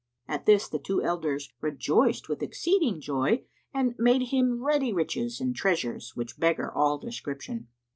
At this the two elders rejoiced with exceeding joy and made him ready riches and treasures which beggar all description.